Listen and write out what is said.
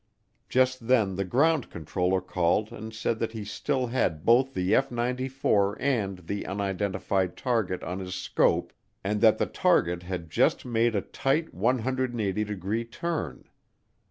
Just then the ground controller called and said that he still had both the F 94 and the unidentified target on his scope and that the target had just made a tight 180 degree turn.